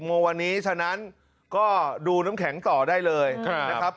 โมงวันนี้ฉะนั้นก็ดูน้ำแข็งต่อได้เลยนะครับ